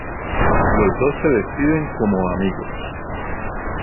Los dos se despiden como amigos.